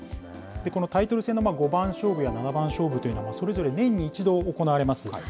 このタイトル戦の五番勝負や七番勝負というのは、それぞれ年に１度行われます。